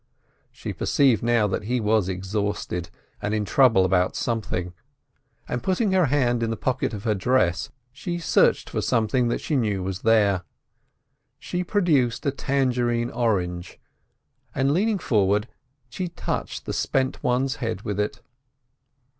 She perceived now that he was exhausted, and in trouble about something, and, putting her hand in the pocket of her dress, she searched for something that she knew was there. She produced a Tangerine orange, and leaning forward she touched the Spent One's head with it.